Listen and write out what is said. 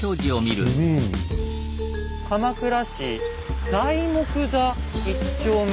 「鎌倉市材木座一丁目」。